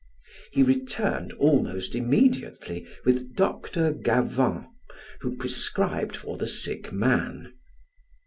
He returned almost immediately with Dr. Gavant who prescribed for the sick man.